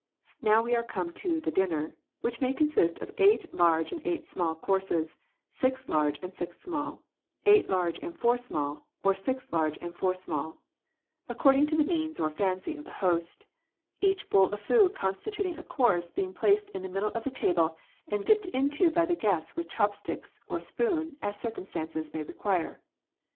Now we come to the dinner, which may consist of eight large and eight small courses, six large and six small, eight large and four small, or six large and four small, according to the A DINNER PARTY. 155 means or fancy of the host, each bowl of food constituting a course being placed in the middle of the table and dipped into by the guests with chop sticks or spoon as circumstances may require.